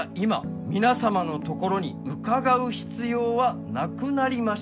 「皆様のところに伺う必要はなくなりました」